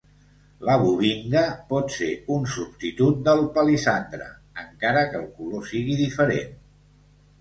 La Bubinga pot ser un substitut del palissandre encara que el color sigui diferent.